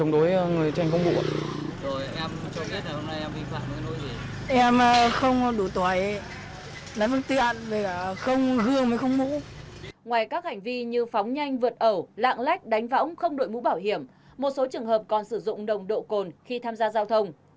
ngoài các hành vi như phóng nhanh vượt ẩu lạng lách đánh võng không đội mũ bảo hiểm một số trường hợp còn sử dụng nồng độ cồn khi tham gia giao thông